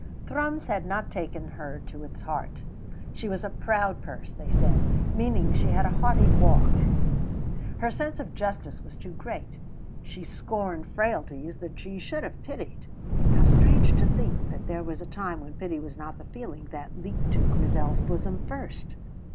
Thrums had not taken her to its heart. She was a proud purse, they said, meaning that she had a haughty walk. Her sense of justice was too great. She scorned frailties that she should have pitied. (How strange to think that there was a time when pity was not the feeling that leaped to Grizel's bosom first!)